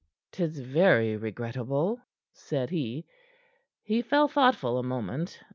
"'Tis very regrettable," said he. He fell thoughtful a moment.